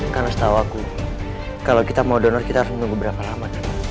karena setahu aku kalo kita mau donor kita harus menunggu berapa lama